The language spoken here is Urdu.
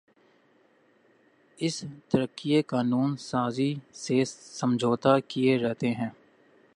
اس طریقِ قانون سازی سے سمجھوتاکیے رہتے ہیں